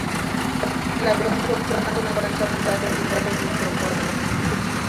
La versión actual soporta una gran cantidad de microcontroladores.